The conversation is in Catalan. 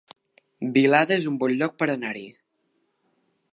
Vilada es un bon lloc per anar-hi